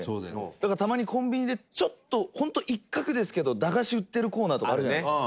だから、たまに、コンビニで、ちょっと本当に一角ですけど駄菓子売ってるコーナーとかあるじゃないですか。